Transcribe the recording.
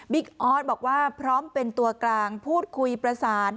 ออสบอกว่าพร้อมเป็นตัวกลางพูดคุยประสาน